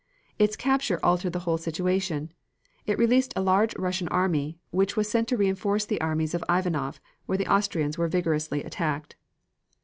Its capture altered the whole situation. It released a large Russian army, which was sent to reinforce the armies of Ivanov, where the Austrians were vigorously attacked.